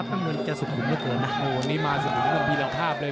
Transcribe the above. มาสุขทัพก็ได้เปรียบภาพเลย